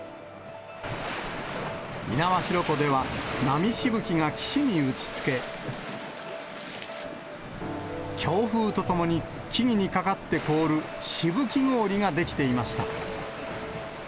猪苗代湖では、波しぶきが岸に打ちつけ、強風とともに木々にかかって凍るしぶき氷が出来ていました。